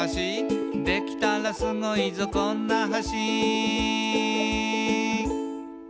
「できたらスゴいぞこんな橋」